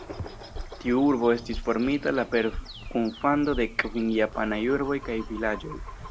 Tiu urbo estis formita la per kunfando de kvin japanaj urboj kaj vilaĝoj.